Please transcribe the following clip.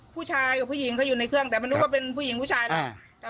ผู้ชายกับผู้หญิงเขาอยู่ในเครื่องแต่มันนึกว่าเป็นผู้หญิงผู้ชายแหละ